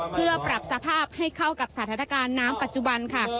เพื่อปรับสภาพให้เข้ากับสถานการณ์น้ำปัจจุบันค่ะ